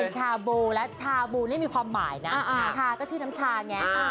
ชาโบและชาบูนี่มีความหมายนะชาก็ชื่อน้ำชาไง